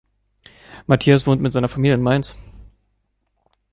Matthias wohnt mit seiner Familie in Mainz.